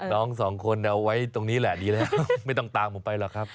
น้องสองคนเอาไว้ตรงนี้แหละดีแล้วไม่ต้องตามผมไปหรอกครับ